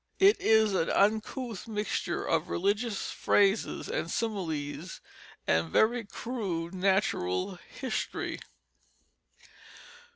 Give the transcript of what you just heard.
It is an uncouth mixture of religious phrases and similes and very crude natural history.